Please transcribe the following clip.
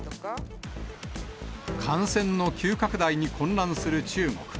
感染の急拡大に混乱する中国。